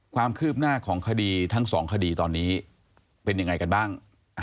ความคืบหน้าของคดีทั้งสองคดีตอนนี้เป็นยังไงกันบ้าง